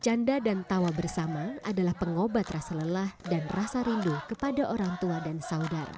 canda dan tawa bersama adalah pengobat rasa lelah dan rasa rindu kepada orang tua dan saudara